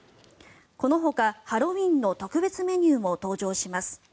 このほか、ハロウィーンの特別メニューも登場します。